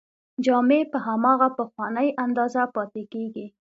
جامې په هماغه پخوانۍ اندازه پاتې کیږي.